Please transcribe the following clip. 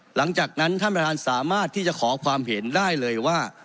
หลังจากนั้นท่านประธานสามารถที่จะขอความเห็นได้เลยว่า